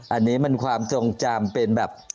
อันนี้มันความทรงจำเป็นแบบ